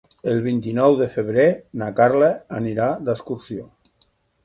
El vint-i-nou de febrer na Carla anirà d'excursió.